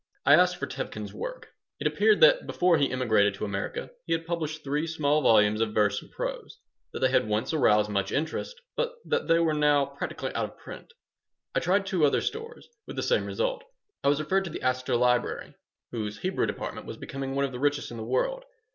I asked for Tevkin's works. It appeared that before he emigrated to America he had published three small volumes of verse and prose, that they had once aroused much interest, but that they were now practically out of print. I tried two other stores, with the same result. I was referred to the Astor Library, whose Hebrew department was becoming one of the richest in the world.